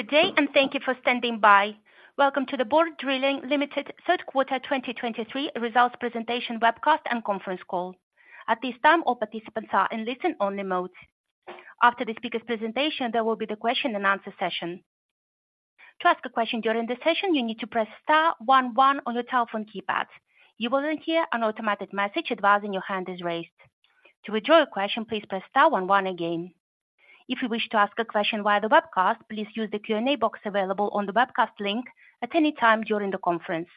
Good day, and thank you for standing by. Welcome to the Borr Drilling Limited Q3 2023 results presentation webcast and conference call. At this time, all participants are in listen-only mode. After the speaker's presentation, there will be the question and answer session. To ask a question during the session, you need to press star one one on your telephone keypad. You will then hear an automatic message advising your hand is raised. To withdraw your question, please press star one one again. If you wish to ask a question via the webcast, please use the Q&A box available on the webcast link at any time during the conference.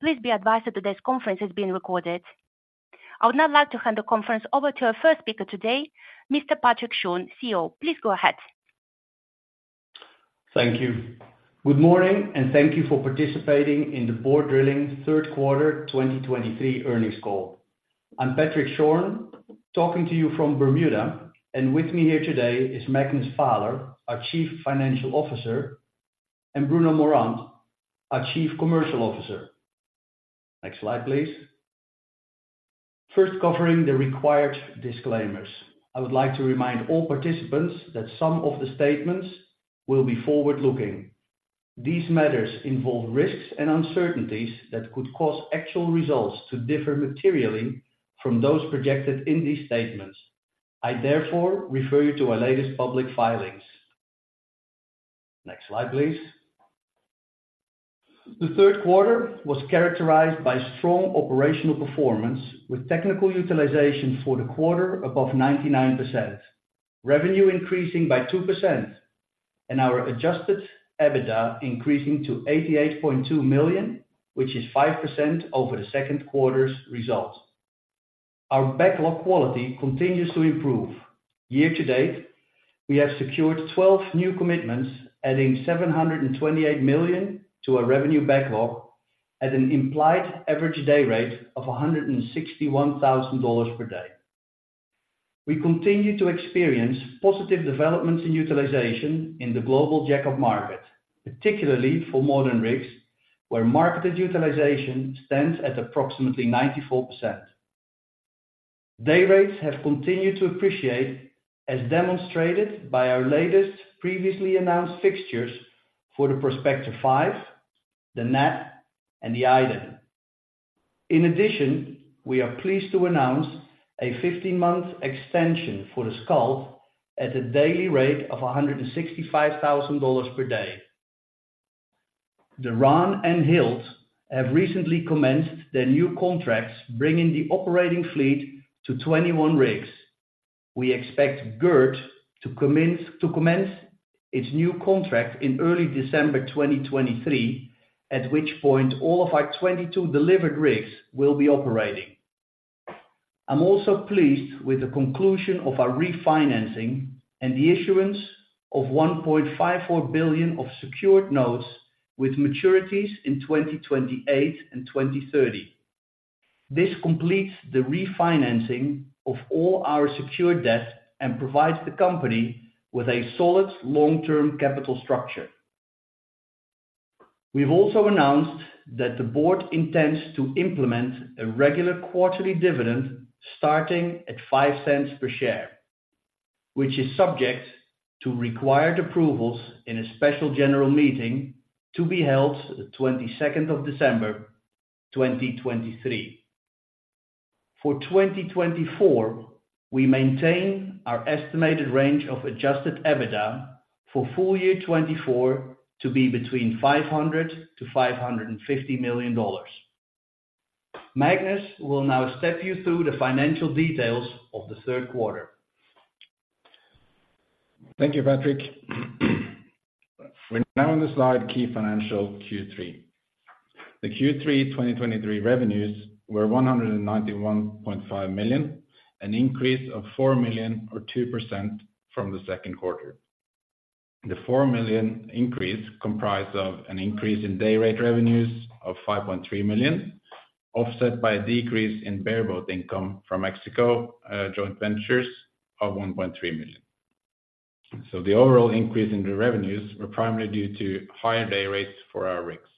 Please be advised that today's conference is being recorded. I would now like to hand the conference over to our first speaker today, Mr. Patrick Schorn, CEO. Please go ahead. Thank you. Good morning, and thank you for participating in the Borr Drilling Q3 2023 earnings call. I'm Patrick Schorn, talking to you from Bermuda, and with me here today is Magnus Vaaler, our Chief Financial Officer, and Bruno Morand, our Chief Commercial Officer. Next slide, please. First, covering the required disclaimers, I would like to remind all participants that some of the statements will be forward-looking. These matters involve risks and uncertainties that could cause actual results to differ materially from those projected in these statements. I therefore refer you to our latest public filings. Next slide, please. The Q3 was characterized by strong operational performance, with Technical Utilization for the quarter above 99%, revenue increasing by 2%, and our Adjusted EBITDA increasing to $88.2 million, which is 5% over the Q2 result. Our Backlog quality continues to improve. Year to date, we have secured 12 new commitments, adding $728 million to our revenue backlog at an implied average day rate of $161,000 per day. We continue to experience positive developments in utilization in the global jack-up market, particularly for modern rigs, where marketed utilization stands at approximately 94%. Day rates have continued to appreciate, as demonstrated by our latest previously announced fixtures for the Prospector 5, the Natt, and the Idun. In addition, we are pleased to announce a 15-month extension for the Skald at a daily rate of $165,000 per day. The Ran and Hild have recently commenced their new contracts, bringing the operating fleet to 21 rigs. We expect Gerd to commence its new contract in early December 2023, at which point all of our 22 delivered rigs will be operating. I'm also pleased with the conclusion of our refinancing and the issuance of $1.54 billion of secured notes with maturities in 2028 and 2030. This completes the refinancing of all our secured debt and provides the company with a solid long-term capital structure. We've also announced that the board intends to implement a regular quarterly dividend starting at $0.05 per share, which is subject to required approvals in a special general meeting to be held the 22nd of December 2023. For 2024, we maintain our estimated range of adjusted EBITDA for full year 2024 to be between $500 million to $550 million. Magnus will now step you through the financial details of the Q3. Thank you, Patrick. We're now on the slide, key financial Q3. The Q3 2023 revenues were $191.5 million, an increase of $4 million or 2% from the Q2. The $4 million increase comprised of an increase in day rate revenues of $5.3 million, offset by a decrease in bareboat income from Mexico joint ventures of $1.3 million. So the overall increase in the revenues were primarily due to higher day rates for our rigs.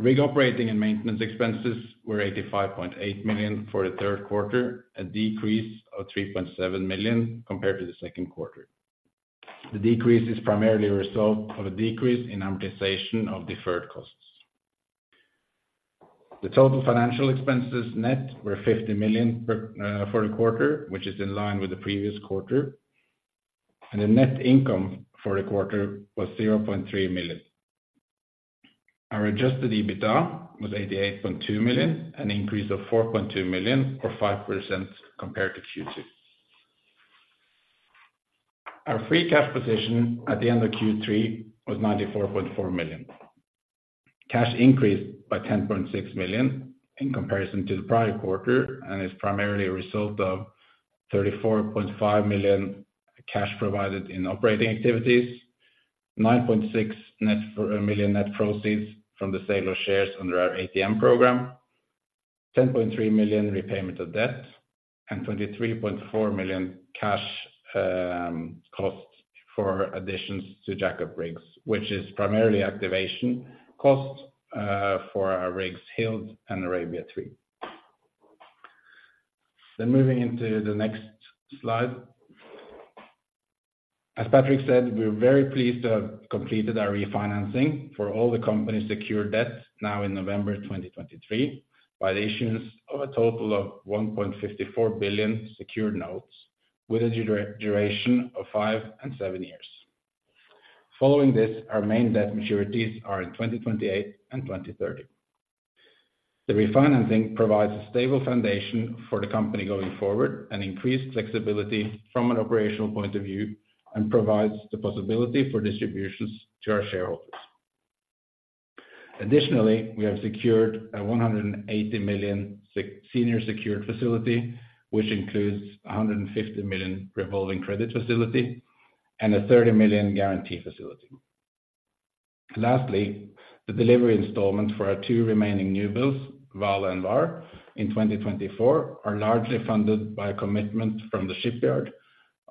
Rig operating and maintenance expenses were $85.8 million for the Q3, a decrease of $3.7 million compared to the Q2. The decrease is primarily a result of a decrease in amortization of deferred costs. The total financial expenses net were $50 million for the quarter, which is in line with the previous quarter, and the net income for the quarter was $0.3 million. Our adjusted EBITDA was $88.2 million, an increase of $4.2 million, or 5% compared to Q2. Our free cash position at the end of Q3 was $94.4 million. Cash increased by $10.6 million in comparison to the prior quarter and is primarily a result of $34.5 million cash provided in operating activities, $9.6 million net proceeds from the sale of shares under our ATM program, $10.3 million repayment of debt, and $23.4 million cash costs for additions to jackup rigs, which is primarily activation costs for our rigs, Hild and Arabia III. Then moving into the next slide. As Patrick said, we're very pleased to have completed our refinancing for all the company's secured debts now in November 2023, by the issuance of a total of $1.54 billion secured notes, with a duration of 5 and 7 years. Following this, our main debt maturities are in 2028 and 2030. The refinancing provides a stable foundation for the company going forward and increased flexibility from an operational point of view, and provides the possibility for distributions to our shareholders. Additionally, we have secured a $180 million senior secured facility, which includes a $150 million revolving credit facility and a $30 million guarantee facility. Lastly, the delivery installment for our two remaining newbuilds, Vale and Var, in 2024, are largely funded by a commitment from the shipyard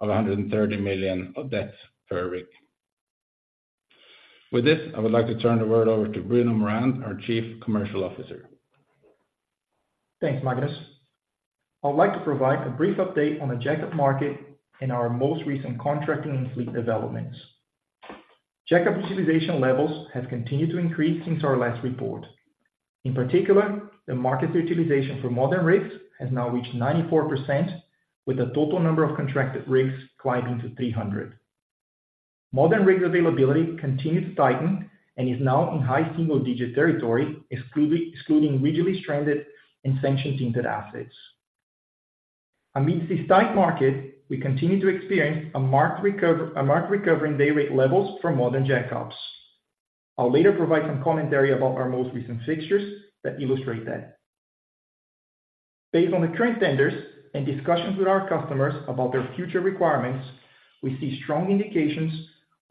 of $130 million of debt per rig. With this, I would like to turn the word over to Bruno Morand, our Chief Commercial Officer. Thanks, Magnus. I'd like to provide a brief update on the jackup market and our most recent contracting and fleet developments. Jackup utilization levels have continued to increase since our last report. In particular, the market utilization for modern rigs has now reached 94%, with a total number of contracted rigs climbing to 300. Modern rig availability continues to tighten and is now in high single digit territory, excluding regionally stranded and sanction-tinged assets. Amidst this tight market, we continue to experience a marked recovery in day rate levels for modern jackups. I'll later provide some commentary about our most recent fixtures that illustrate that. Based on the current tenders and discussions with our customers about their future requirements, we see strong indications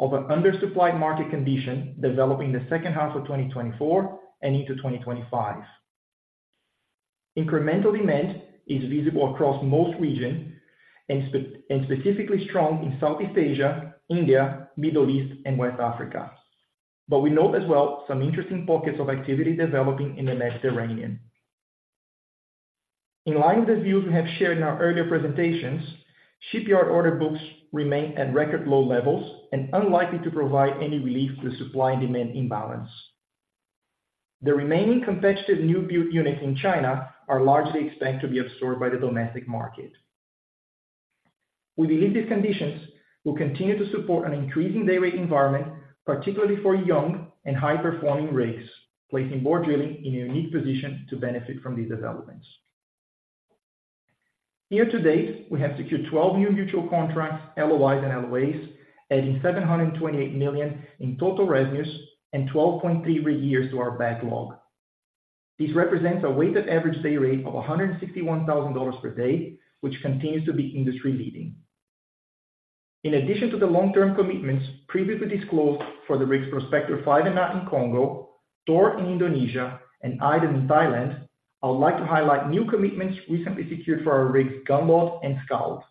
of an undersupplied market condition developing in the second half of 2024 and into 2025. Incremental demand is visible across most regions, and specifically strong in Southeast Asia, India, Middle East, and West Africa. But we note as well, some interesting pockets of activity developing in the Mediterranean. In line with the views we have shared in our earlier presentations, shipyard order books remain at record low levels and unlikely to provide any relief to the supply and demand imbalance. The remaining competitive newbuild units in China are largely expected to be absorbed by the domestic market. We believe these conditions will continue to support an increasing day rate environment, particularly for young and high-performing rigs, placing Borr Drilling in a unique position to benefit from these developments. Year to date, we have secured 12 new mutual contracts, LOIs and LOAs, adding $728 million in total revenues and 12.3 rig years to our backlog. This represents a weighted average day rate of $161,000 per day, which continues to be industry-leading. In addition to the long-term commitments previously disclosed for the rigs Prospector 5 and 9 in Congo, Thor in Indonesia, and Idun in Thailand, I would like to highlight new commitments recently secured for our rigs, Gunvor and Skald.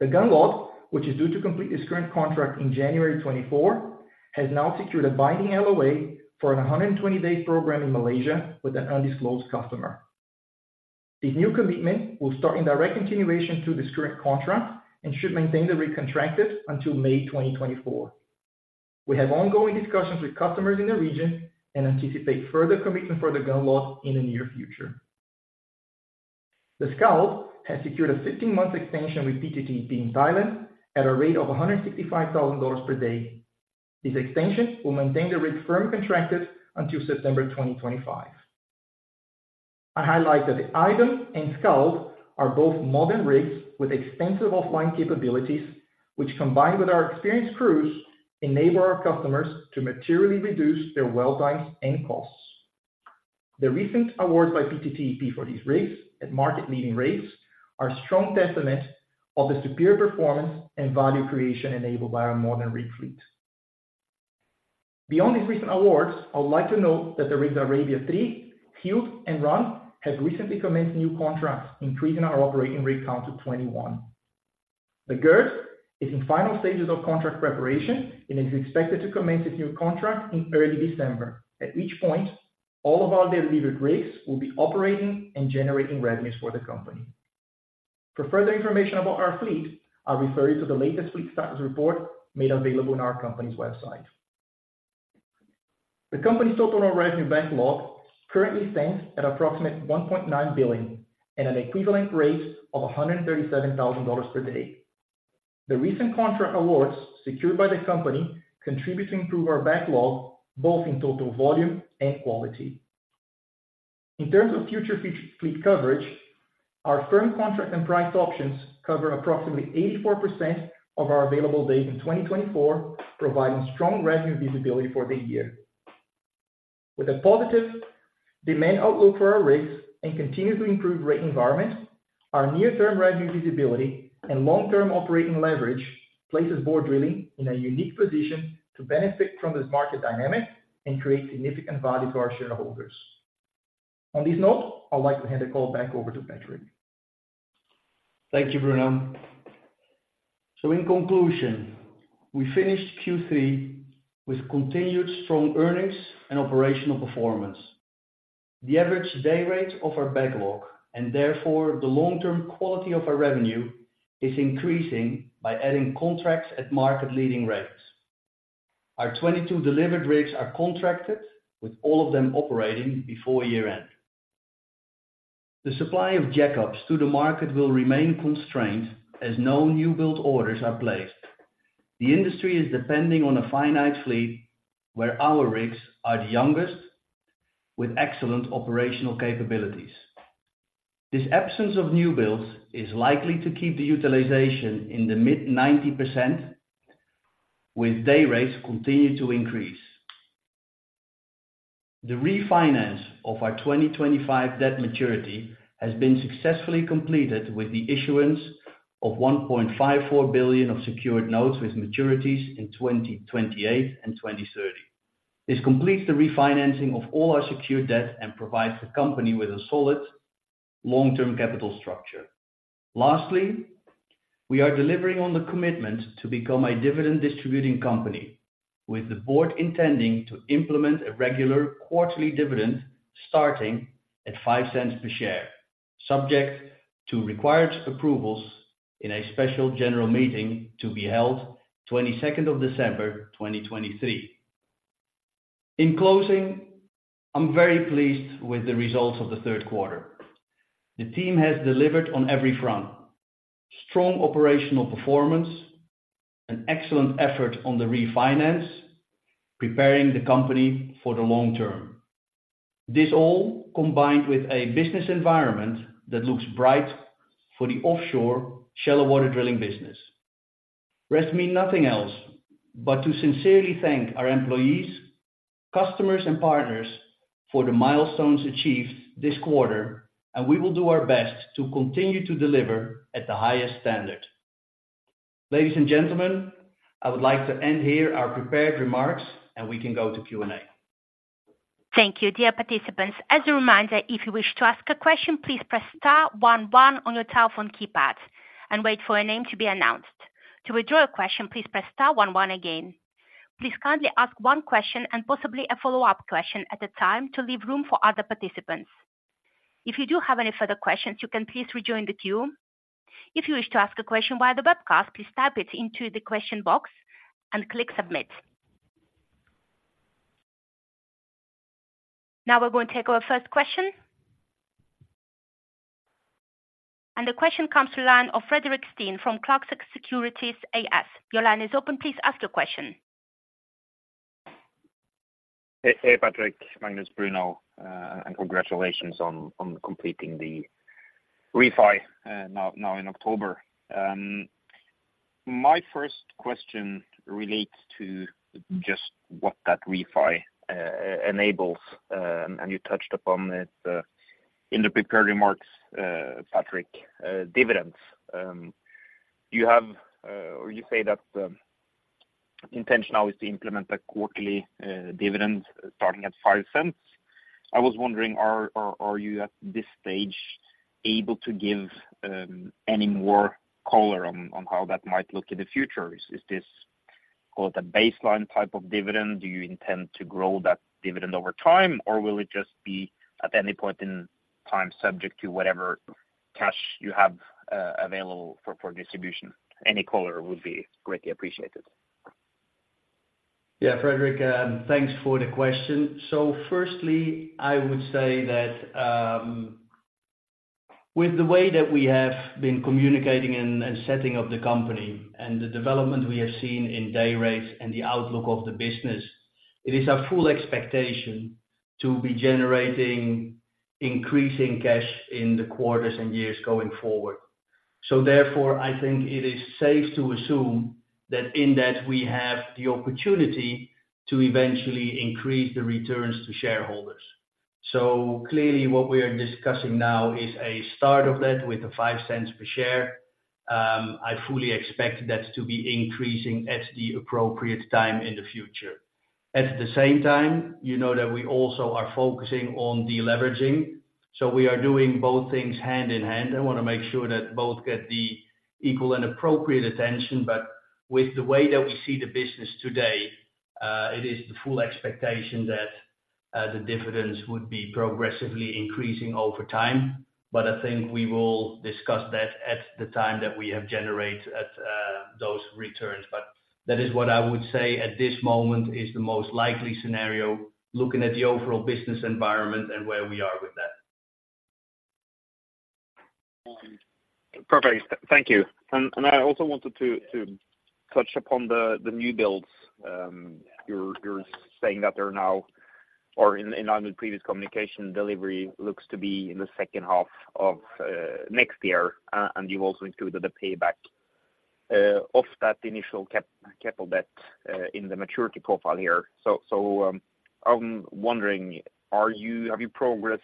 The Gunvor, which is due to complete its current contract in January 2024, has now secured a binding LOA for a 120-day program in Malaysia with an undisclosed customer. This new commitment will start in direct continuation to the current contract and should maintain the rig contracted until May 2024. We have ongoing discussions with customers in the region and anticipate further commitment for the Gunvor in the near future. The Skald has secured a 15-month extension with PTT in Thailand at a rate of $165,000 per day. This extension will maintain the rig firm contracted until September 2025. I highlight that the Idun and Skald are both modern rigs with extensive offline capabilities, which, combined with our experienced crews, enable our customers to materially reduce their well times and costs. The recent awards by PTT for these rigs at market-leading rates are a strong testament of the superior performance and value creation enabled by our modern rig fleet. Beyond these recent awards, I would like to note that the rigs Arabia III, Hild, and Ran, have recently commenced new contracts, increasing our operating rig count to 21. The Gerd is in final stages of contract preparation and is expected to commence its new contract in early December, at which point all of our delivered rigs will be operating and generating revenues for the company. For further information about our fleet, I'll refer you to the latest fleet status report made available on our company's website. The company's total revenue backlog currently stands at approximately $1.9 billion and an equivalent rate of $137,000 per day. The recent contract awards secured by the company contribute to improve our backlog, both in total volume and quality. In terms of future fleet coverage, our firm contract and priced options cover approximately 84% of our available days in 2024, providing strong revenue visibility for the year. With a positive demand outlook for our rigs and continuously improved rate environment, our near-term revenue visibility and long-term operating leverage places Borr Drilling in a unique position to benefit from this market dynamic and create significant value for our shareholders. On this note, I'd like to hand the call back over to Patrick. Thank you, Bruno.... So in conclusion, we finished Q3 with continued strong earnings and operational performance. The average day rate of our backlog, and therefore the long-term quality of our revenue, is increasing by adding contracts at market leading rates. Our 22 delivered rigs are contracted, with all of them operating before year-end. The supply of jackups to the market will remain constrained as no new build orders are placed. The industry is depending on a finite fleet, where our rigs are the youngest, with excellent operational capabilities. This absence of new builds is likely to keep the utilization in the mid-90%, with day rates continue to increase. The refinance of our 2025 debt maturity has been successfully completed, with the issuance of $1.54 billion of secured notes with maturities in 2028 and 2030. This completes the refinancing of all our secured debt and provides the company with a solid long-term capital structure. Lastly, we are delivering on the commitment to become a dividend distributing company, with the board intending to implement a regular quarterly dividend, starting at $0.05 per share, subject to required approvals in a special general meeting to be held 22nd of December, 2023. In closing, I'm very pleased with the results of the Q3. The team has delivered on every front, strong operational performance, and excellent effort on the refinance, preparing the company for the long term. This all combined with a business environment that looks bright for the offshore, shallow water drilling business. Rest me nothing else but to sincerely thank our employees, customers, and partners for the milestones achieved this quarter, and we will do our best to continue to deliver at the highest standard. Ladies and gentlemen, I would like to end here our prepared remarks, and we can go to Q&A. Thank you, dear participants. As a reminder, if you wish to ask a question, please press star one one on your telephone keypad and wait for your name to be announced. To withdraw your question, please press star one one again. Please kindly ask one question and possibly a follow-up question at a time to leave room for other participants. If you do have any further questions, you can please rejoin the queue. If you wish to ask a question via the webcast, please type it into the question box and click submit. Now we're going to take our first question. The question comes from the line of Fredrik Stene from Clarksons Securities AS. Your line is open. Please ask your question. Hey, hey, Patrick, my name is Bruno, and congratulations on completing the refi now in October. My first question relates to just what that refi enables, and you touched upon it in the prepared remarks, Patrick, dividends. You have, or you say that intention now is to implement a quarterly dividend starting at $0.05. I was wondering, are you, at this stage, able to give any more color on how that might look in the future? Is this called a baseline type of dividend? Do you intend to grow that dividend over time, or will it just be at any point in time, subject to whatever cash you have available for distribution? Any color would be greatly appreciated. Yeah, Fredrik, thanks for the question. So firstly, I would say that, with the way that we have been communicating and setting of the company and the development we have seen in day rates and the outlook of the business, it is our full expectation to be generating increasing cash in the quarters and years going forward. So therefore, I think it is safe to assume that in that we have the opportunity to eventually increase the returns to shareholders. So clearly what we are discussing now is a start of that with the $0.05 per share. I fully expect that to be increasing at the appropriate time in the future. At the same time, you know that we also are focusing on deleveraging, so we are doing both things hand in hand. I wanna make sure that both get the equal and appropriate attention, but with the way that we see the business today, it is the full expectation that the dividends would be progressively increasing over time. But I think we will discuss that at the time that we have generated at those returns. But that is what I would say at this moment is the most likely scenario, looking at the overall business environment and where we are with that. Perfect. Thank you. And I also wanted to touch upon the new builds. You're saying that they're now, or in our previous communication, delivery looks to be in the second half of next year, and you've also included the payback of that initial capital debt in the maturity profile here. So, I'm wondering, have you progressed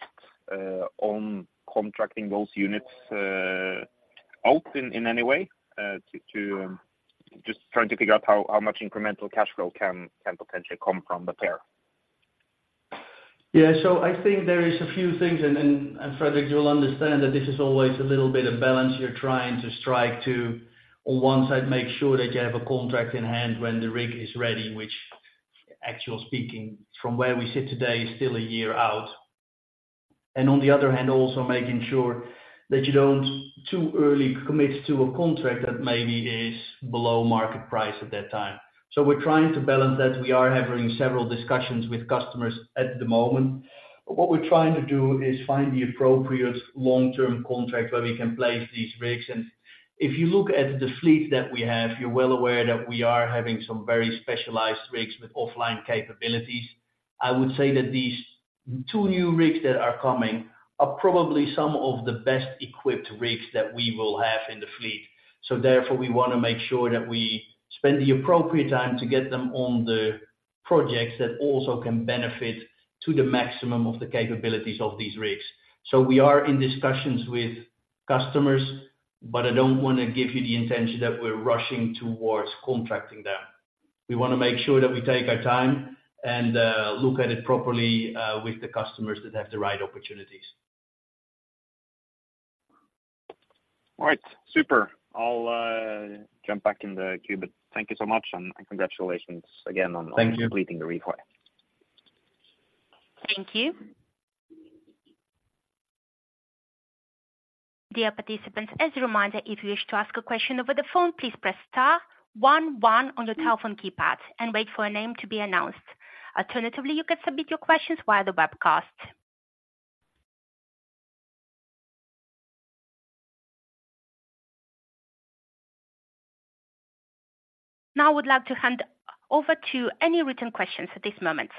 on contracting those units out in any way? Just trying to figure out how much incremental cash flow can potentially come from the pair.... Yeah, so I think there is a few things, Fredrik, you'll understand that this is always a little bit of balance you're trying to strike to, on one side, make sure that you have a contract in hand when the rig is ready, which actually speaking from where we sit today, is still a year out. And on the other hand, also making sure that you don't too early commit to a contract that maybe is below market price at that time. So we're trying to balance that. We are having several discussions with customers at the moment. What we're trying to do is find the appropriate long-term contract where we can place these rigs, and if you look at the fleet that we have, you're well aware that we are having some very specialized rigs with offline capabilities. I would say that these two new rigs that are coming are probably some of the best equipped rigs that we will have in the fleet. So therefore, we wanna make sure that we spend the appropriate time to get them on the projects that also can benefit to the maximum of the capabilities of these rigs. So we are in discussions with customers, but I don't want to give you the intention that we're rushing towards contracting them. We wanna make sure that we take our time and look at it properly with the customers that have the right opportunities. All right. Super. I'll jump back in the queue, but thank you so much, and, and congratulations again on- Thank you. completing the refi. Thank you. Dear participants, as a reminder, if you wish to ask a question over the phone, please press star one, one on your telephone keypad and wait for a name to be announced. Alternatively, you can submit your questions via the webcast. Now, I would like to hand over to any written questions at this moment.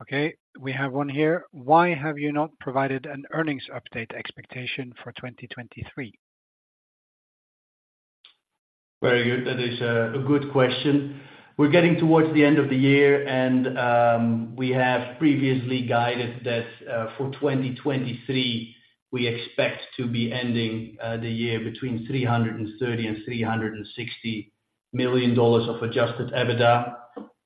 Okay, we have one here. Why have you not provided an earnings update expectation for 2023? Very good. That is a good question. We're getting towards the end of the year, and we have previously guided that for 2023, we expect to be ending the year between $330 million and $360 million of Adjusted EBITDA.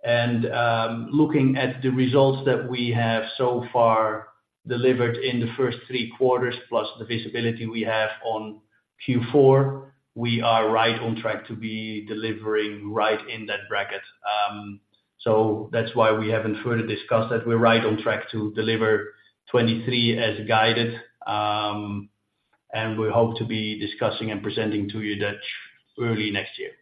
And looking at the results that we have so far delivered in the first three quarters, plus the visibility we have on Q4, we are right on track to be delivering right in that bracket. So that's why we haven't further discussed that. We're right on track to deliver 2023 as guided, and we hope to be discussing and presenting to you that early next year.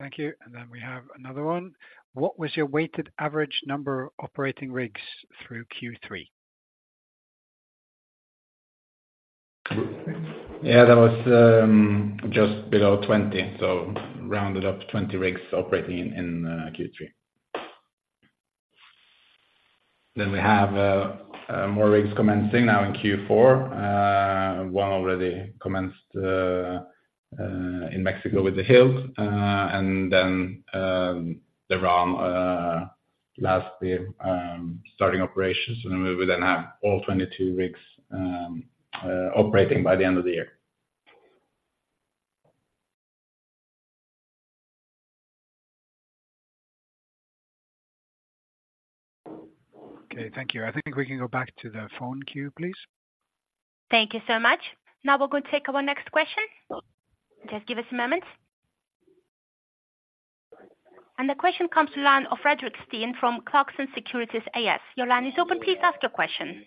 Thank you. Then we have another one. What was your weighted average number of operating rigs through Q3? Yeah, that was just below 20, so rounded up 20 rigs operating in Q3. Then we have more rigs commencing now in Q4. One already commenced in Mexico with the Hild, and then the Ran last year starting operations, and we will then have all 22 rigs operating by the end of the year. Okay, thank you. I think we can go back to the phone queue, please. Thank you so much. Now we'll go take our next question. Just give us a moment. The question comes to line of Fredrik Stene from Clarksons Securities AS. Your line is open. Please ask your question.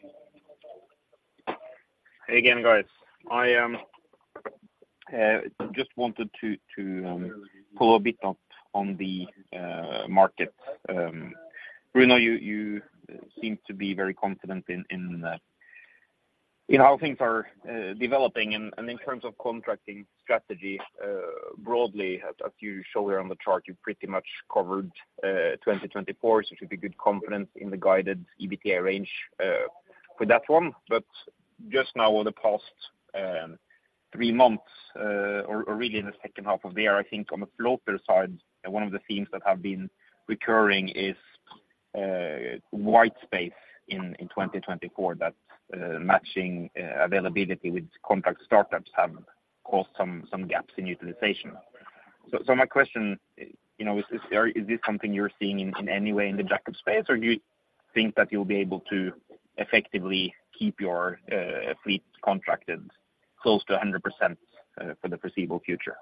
Hey again, guys. I just wanted to follow a bit on the market. Bruno, you seem to be very confident in how things are developing and in terms of contracting strategy, broadly, as you show here on the chart, you pretty much covered 2024, so should be good confidence in the guided EBITDA range for that one. But just now over the past three months, or really in the second half of the year, I think on the floater side, one of the themes that have been recurring is white space in 2024. That matching availability with contract startups have caused some gaps in utilization. So, my question, you know, is there, is this something you're seeing in any way in the jack-up space, or do you think that you'll be able to effectively keep your fleet contracted close to 100%, for the foreseeable future?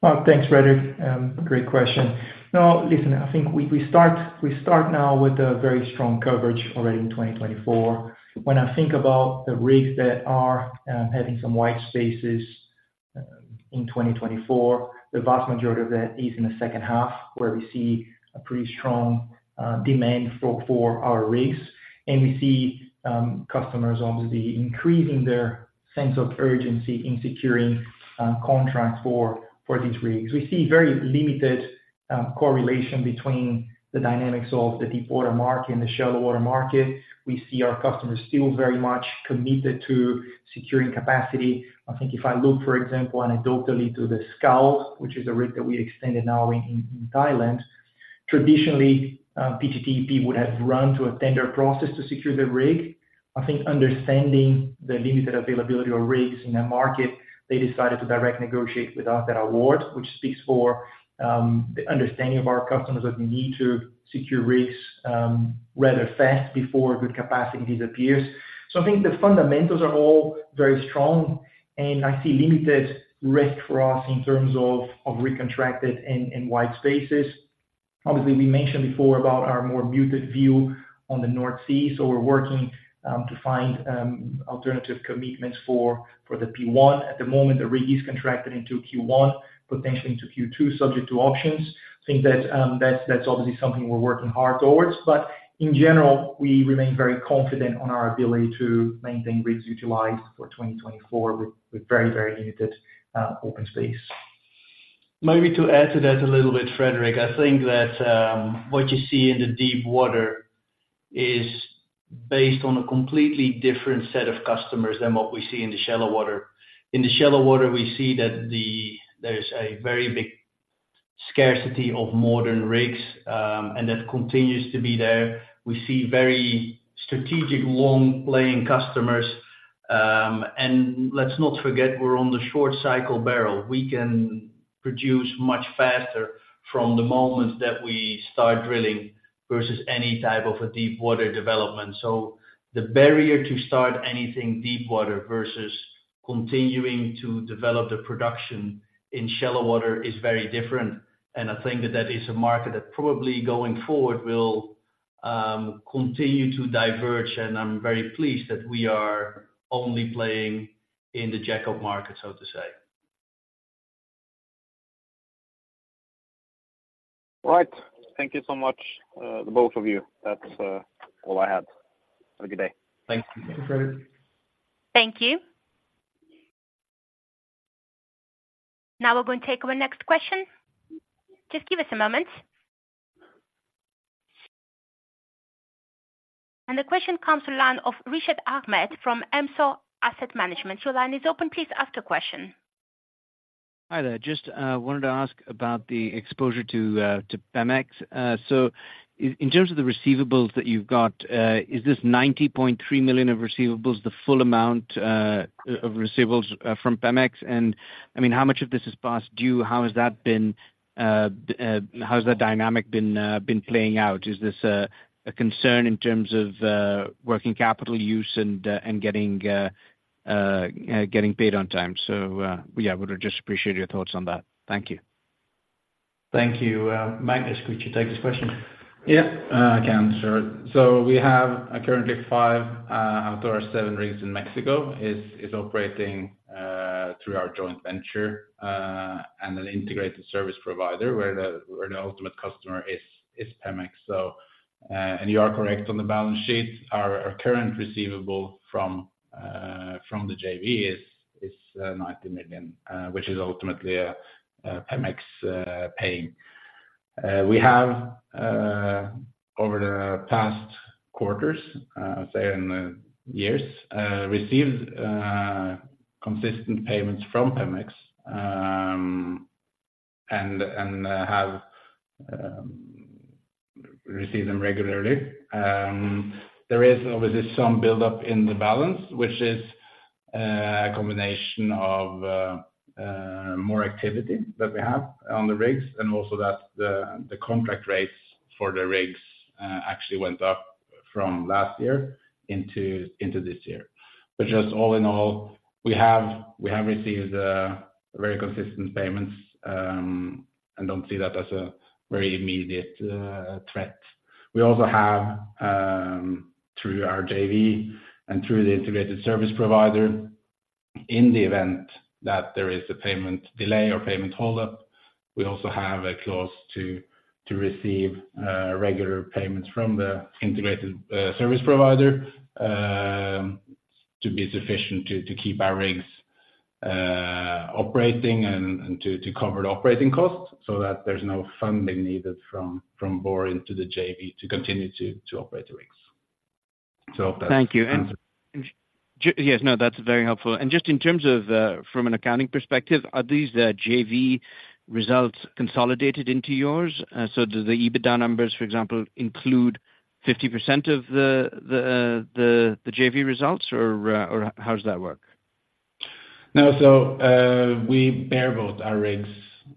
Thanks, Fredrik. Great question. Now, listen, I think we start now with a very strong coverage already in 2024. When I think about the rigs that are having some white spaces in 2024, the vast majority of that is in the second half, where we see a pretty strong demand for our rigs. And we see customers obviously increasing their sense of urgency in securing contracts for these rigs. We see very limited correlation between the dynamics of the deepwater market and the shallow water market. We see our customers still very much committed to securing capacity. I think if I look, for example, anecdotally to the Skald, which is a rig that we extended now in Thailand. Traditionally, PTTEP would have run to a tender process to secure the rig. I think understanding the limited availability of rigs in the market, they decided to direct negotiate with us that award, which speaks for the understanding of our customers that we need to secure rigs rather fast before good capacity disappears. So I think the fundamentals are all very strong, and I see limited risk for us in terms of recontracted and white spaces. Obviously, we mentioned before about our more muted view on the North Sea, so we're working to find alternative commitments for the P1. At the moment, the rig is contracted into Q1, potentially into Q2, subject to options. I think that that's obviously something we're working hard towards, but in general, we remain very confident on our ability to maintain rigs utilized for 2024, with very, very limited open space. Maybe to add to that a little bit, Fredrik, I think that what you see in the deep water is based on a completely different set of customers than what we see in the shallow water. In the shallow water, we see that there is a very big scarcity of modern rigs, and that continues to be there. We see very strategic, long-playing customers. And let's not forget, we're on the short cycle barrel. We can produce much faster from the moment that we start drilling, versus any type of a deep water development. So the barrier to start anything deep water versus continuing to develop the production in shallow water is very different. I think that that is a market that probably going forward, will, continue to diverge, and I'm very pleased that we are only playing in the jack-up market, so to say. All right. Thank you so much, the both of you. That's all I had. Have a good day. Thank you. Thanks, Fredrik. Thank you. Now we're going to take our next question. Just give us a moment. The question comes to line of Rishad Ahmed from Emso Asset Management. Your line is open, please ask your question. Hi there. Just wanted to ask about the exposure to PEMEX. So in terms of the receivables that you've got, is this $90.3 million of receivables the full amount of receivables from PEMEX? And I mean, how much of this is past due? How has that been, how has that dynamic been playing out? Is this a concern in terms of working capital use and getting paid on time? So yeah, would just appreciate your thoughts on that. Thank you. Thank you. Magnus, could you take this question? Yeah. I can, sure. So we have currently 5 out of our 7 rigs in Mexico is operating through our joint venture and an integrated service provider, where the ultimate customer is PEMEX. So, and you are correct on the balance sheet. Our current receivable from the JV is $90 million, which is ultimately PEMEX paying. We have over the past quarters, say in the years, received consistent payments from PEMEX. And have received them regularly. There is obviously some buildup in the balance, which is a combination of more activity that we have on the rigs, and also that the contract rates for the rigs actually went up from last year into this year. But just all in all, we have received very consistent payments and don't see that as a very immediate threat. We also have, through our JV and through the integrated service provider, in the event that there is a payment delay or payment hold up, a clause to receive regular payments from the integrated service provider to be sufficient to keep our rigs operating and to cover the operating costs so that there's no funding needed from Borr to the JV to continue to operate the rigs. So that's- Thank you. And yes, no, that's very helpful. And just in terms of from an accounting perspective, are these JV results consolidated into yours? So do the EBITDA numbers, for example, include 50% of the JV results or how does that work? No. So, we bareboat both our rigs,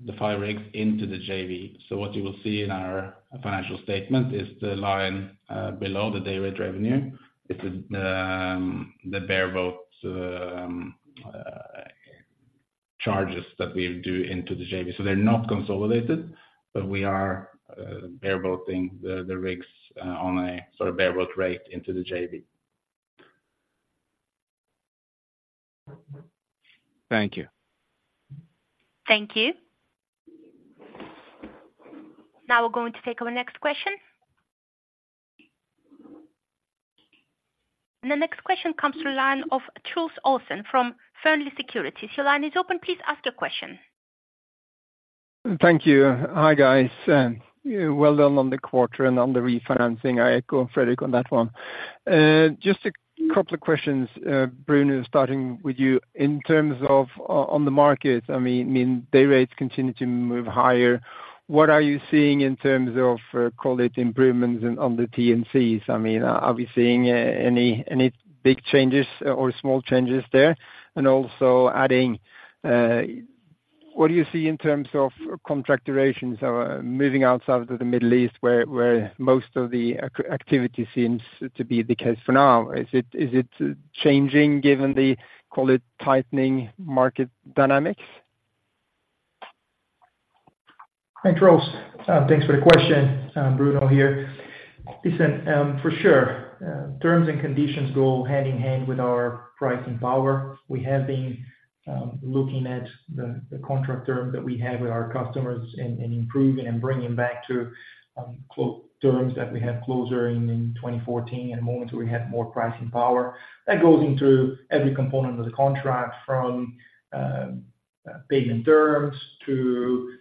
the five rigs into the JV. So what you will see in our financial statement is the line below the day rate revenue. It's the bareboat charges that we do into the JV. So they're not consolidated, but we are bareboating the rigs on a sort of bareboat rate into the JV. Thank you. Thank you. Now we're going to take our next question. The next question comes through line of Truls Olsen from Fearnley Securities. Your line is open, please ask your question. Thank you. Hi, guys, well done on the quarter and on the refinancing. I echo Fredrik on that one. Just a couple of questions. Bruno, starting with you. In terms of on the market, I mean, day rates continue to move higher. What are you seeing in terms of quality improvements in on the T&Cs I mean, are we seeing any big changes or small changes there? And also adding, what do you see in terms of contract durations or moving outside of the Middle East, where most of the activity seems to be the case for now? Is it changing given the quality tightening market dynamics? Thanks, Troels. Thanks for the question, Bruno here. Listen, for sure, terms and conditions go hand in hand with our pricing power. We have been looking at the contract terms that we have with our customers and improving and bringing back to terms that we had closer in 2014 and moments where we had more pricing power. That goes into every component of the contract from payment terms, to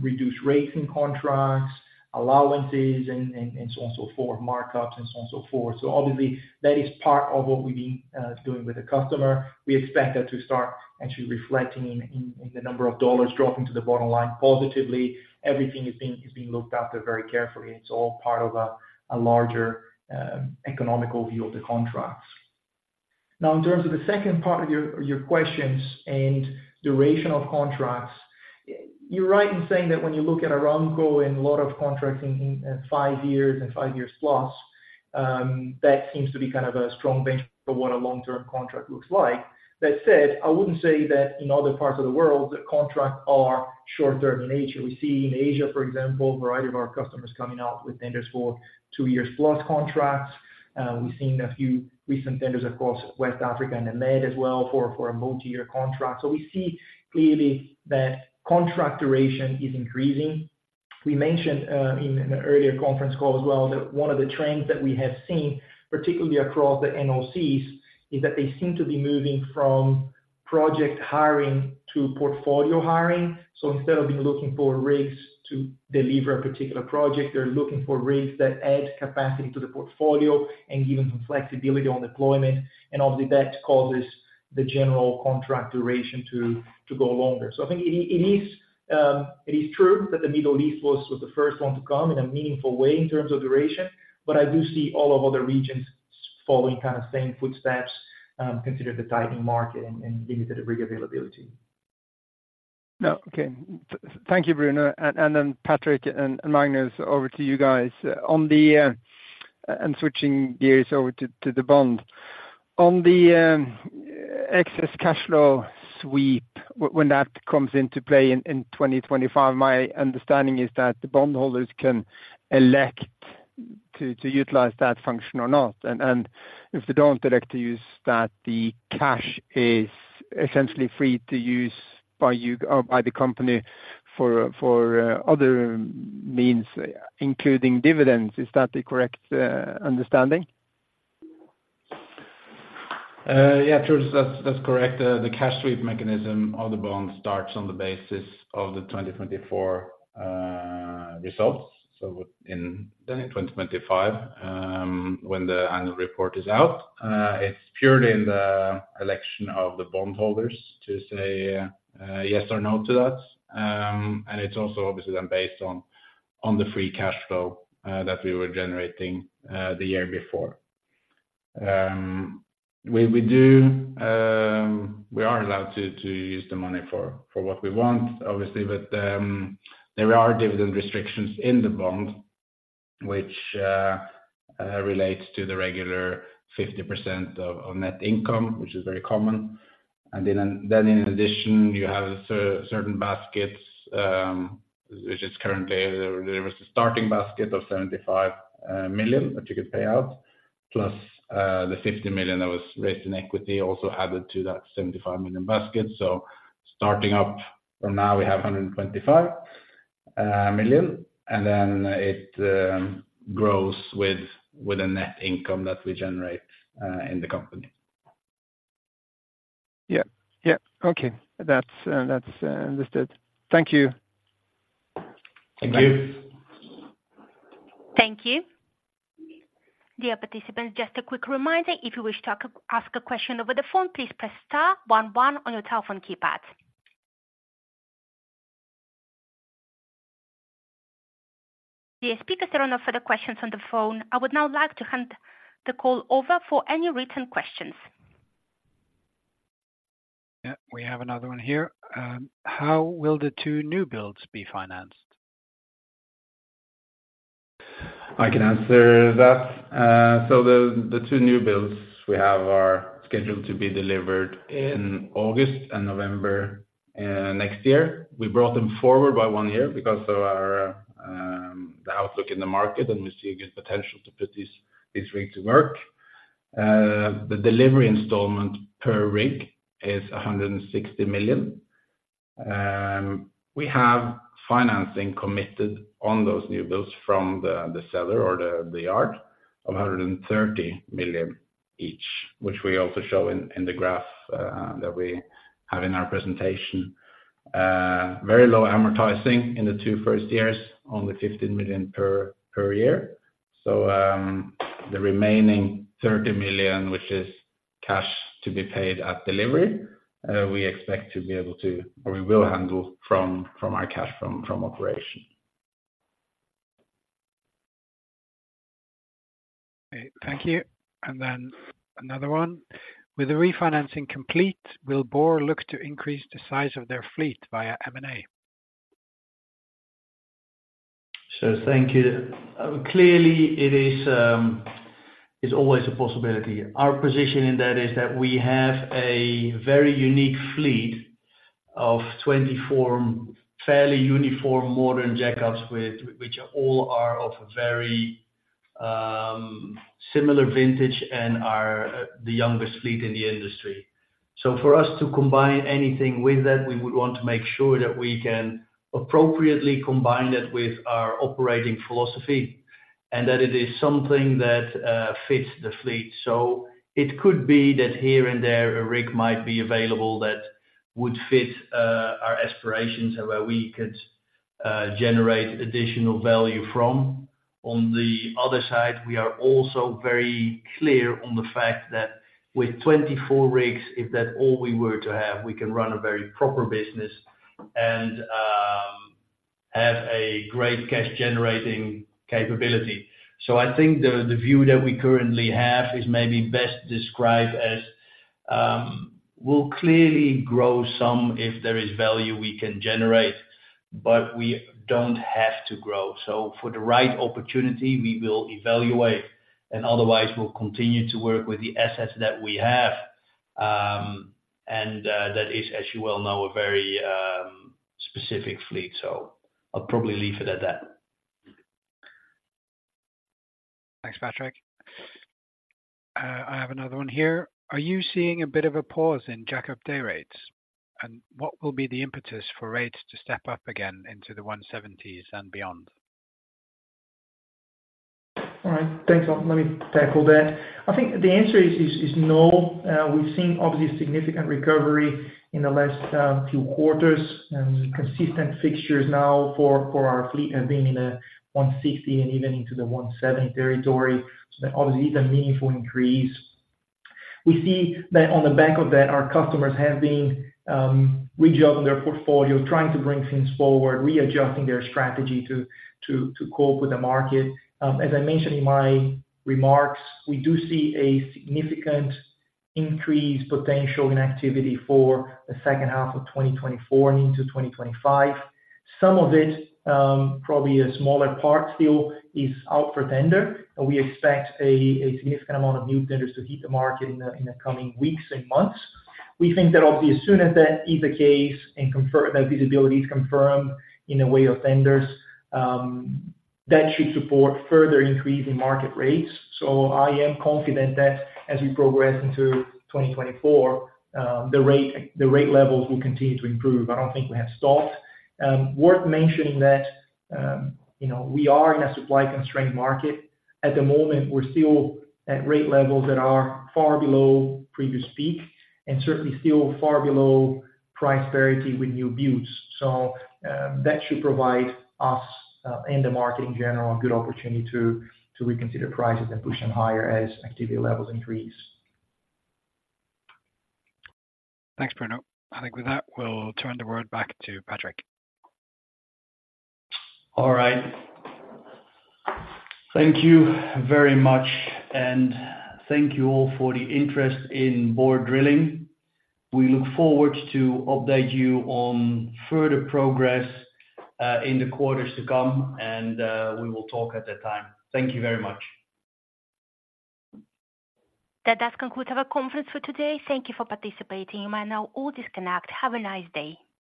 reduced rates in contracts, allowances, and so on, so forth, markups, and so on, so forth. So obviously, that is part of what we've been doing with the customer. We expect that to start actually reflecting in the number of dollars dropping to the bottom line positively. Everything is being looked after very carefully, and it's all part of a larger economic view of the contracts. Now, in terms of the second part of your questions and duration of contracts, you're right in saying that when you look at Aramco and a lot of contracting in five years and five years plus, that seems to be kind of a strong benchmark for what a long-term contract looks like. That said, I wouldn't say that in other parts of the world, the contracts are short-term in nature. We see in Asia, for example, a variety of our customers coming out with tenders for two years plus contracts. We've seen a few recent tenders across West Africa and the Middle East as well for a multi-year contract. So we see clearly that contract duration is increasing. We mentioned in an earlier conference call as well, that one of the trends that we have seen, particularly across the NOCs, is that they seem to be moving from project hiring to portfolio hiring. So instead of looking for rigs to deliver a particular project, they're looking for rigs that add capacity to the portfolio and give them some flexibility on deployment, and obviously, that causes the general contract duration to, to go longer. So I think it, it is, it is true that the Middle East was, was the first one to come in a meaningful way in terms of duration, but I do see all of other regions following kind of same footsteps, considering the tightening market and, and limited rig availability. No. Okay. Thank you, Bruno. And then Patrick and Magnus, over to you guys. Switching gears over to the bond. On the excess cash flow sweep, when that comes into play in 2025, my understanding is that the bondholders can elect to utilize that function or not. And if they don't elect to use that, the cash is essentially free to use by you, or by the company for other means, including dividends. Is that the correct understanding? Yeah, Troels, that's, that's correct. The cash sweep mechanism of the bond starts on the basis of the 2024 results. So in 2025, when the annual report is out, it's purely in the election of the bondholders to say, yes or no to that. And it's also obviously then based on, on the free cash flow that we were generating the year before. We, we do... We are allowed to use the money for what we want, obviously, but there are dividend restrictions in the bond, which relates to the regular 50% of net income, which is very common. And then in addition, you have certain baskets, which is currently, there was a starting basket of $75 million that you could pay out, plus the $50 million that was raised in equity, also added to that $75 million basket. So starting up from now, we have $125 million, and then it grows with the net income that we generate in the company. Yeah. Yeah. Okay. That's, that's understood. Thank you. Thank you. Thank you. Dear participants, just a quick reminder, if you wish to ask a question over the phone, please press star one one on your telephone keypad. The speakers are now for the questions on the phone. I would now like to hand the call over for any written questions. Yeah, we have another one here. How will the two new builds be financed? I can answer that. So the two new builds we have are scheduled to be delivered in August and November next year. We brought them forward by one year because of our the outlook in the market, and we see a good potential to put these rigs to work. The delivery installment per rig is $160 million. We have financing committed on those new builds from the seller or the yard of $130 million.... each, which we also show in the graph that we have in our presentation. Very low amortizing in the two first years, only $15 million per year. So, the remaining $30 million, which is cash to be paid at delivery, we expect to be able to, or we will handle from our cash from operation. Okay, thank you. And then another one. With the refinancing complete, will Borr look to increase the size of their fleet via M&A? So thank you. Clearly, it is, it's always a possibility. Our position in that is that we have a very unique fleet of 24 fairly uniform modern jackups, which all are of a very similar vintage and are the youngest fleet in the industry. So for us to combine anything with that, we would want to make sure that we can appropriately combine it with our operating philosophy, and that it is something that fits the fleet. So it could be that here and there, a rig might be available that would fit our aspirations and where we could generate additional value from. On the other side, we are also very clear on the fact that with 24 rigs, if that all we were to have, we can run a very proper business and have a great cash generating capability. So I think the view that we currently have is maybe best described as, we'll clearly grow some if there is value we can generate, but we don't have to grow. So for the right opportunity, we will evaluate, and otherwise, we'll continue to work with the assets that we have. And that is, as you well know, a very specific fleet. So I'll probably leave it at that. Thanks, Patrick. I have another one here. Are you seeing a bit of a pause in jackup day rates? And what will be the impetus for rates to step up again into the $170,000s and beyond? All right. Thanks. Let me tackle that. I think the answer is no. We've seen obviously significant recovery in the last 2 quarters, and consistent fixtures now for our fleet have been in the $160 and even into the $170 territory. So obviously, it's a meaningful increase. We see that on the back of that, our customers have been rejobbing their portfolio, trying to bring things forward, readjusting their strategy to cope with the market. As I mentioned in my remarks, we do see a significant increase potential in activity for the second half of 2024 and into 2025. Some of it, probably a smaller part still is out for tender, and we expect a significant amount of new tenders to hit the market in the coming weeks and months. We think that obviously, as soon as that is the case and confirm, that visibility is confirmed in a way of tenders, that should support further increase in market rates. So I am confident that as we progress into 2024, the rate, the rate levels will continue to improve. I don't think we have stopped. Worth mentioning that, you know, we are in a supply-constrained market. At the moment, we're still at rate levels that are far below previous peak, and certainly still far below price parity with new builds. So, that should provide us, in the market in general, a good opportunity to, to reconsider prices and push them higher as activity levels increase. Thanks, Bruno. I think with that, we'll turn the word back to Patrick. All right. Thank you very much, and thank you all for the interest in Borr Drilling. We look forward to update you on further progress, in the quarters to come, and, we will talk at that time. Thank you very much. That does conclude our conference for today. Thank you for participating. You may now all disconnect. Have a nice day.